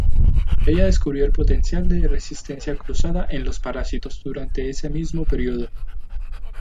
Ella descubrió el potencial de resistencia cruzada en los parásitos durante ese mismo período.